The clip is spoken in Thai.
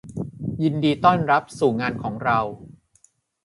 ยินดีต้อนรับสู่งานของเรา